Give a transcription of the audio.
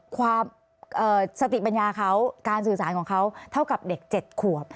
ความสติปัญญาเขาการสื่อสารของเขาเท่ากับเด็ก๗ขวบ